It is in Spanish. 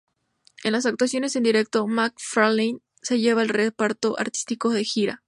En las actuaciones en directo, MacFarlane se lleva al reparto artístico de gira.